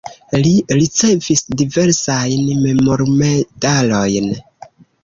Li ricevis diversajn memormedalojn.